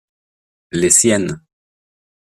Les siennes.